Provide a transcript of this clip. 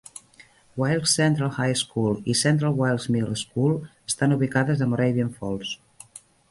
Wilkes Central High School i Central Wilkes Middle School estan ubicades a Moravian Falls.